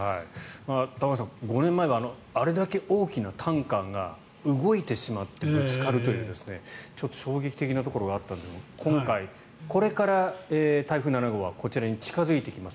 玉川さん、５年前はあれだけ大きなタンカーが動いてしまってぶつかるというちょっと衝撃的なところがあったんですが今回、これから台風７号はこちらに近付いてきます。